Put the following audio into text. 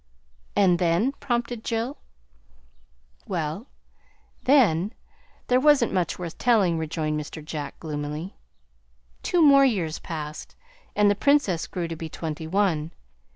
"And then?" prompted Jill. "Well, then, there wasn't much worth telling," rejoined Mr. Jack gloomily. "Two more years passed, and the Princess grew to be twenty one.